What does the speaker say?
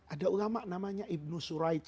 ada ulama namanya ibnu suraid